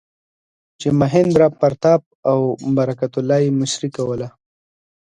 چې مهیندراپراتاپ او برکت الله یې مشري کوله.